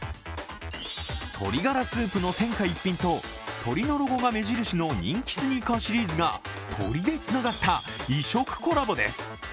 鶏ガラスープの天下一品と鶏のロゴが目印の人気スニーカーシリーズが鶏でつながった異色コラボです。